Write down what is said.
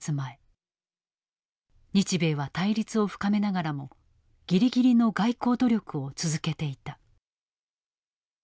日米は対立を深めながらもぎりぎりの外交努力を続けていた。